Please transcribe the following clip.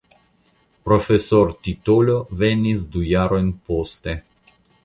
Profesortitolo venis du jarojn poste.